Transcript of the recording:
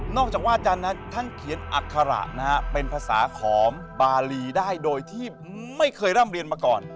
จากว่าอาจารย์นั้นท่านเขียนอัคระนะฮะเป็นภาษาของบารีได้โดยที่ไม่เคยร่ำเรียนมาก่อน